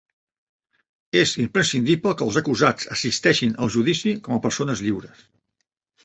És imprescindible que els acusats assisteixin al judici com a persones lliures.